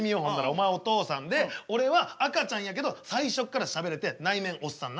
お前お父さんで俺は赤ちゃんやけど最初からしゃべれて内面おっさんな。